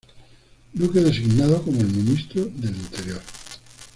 Duque designado como el ministro del interior.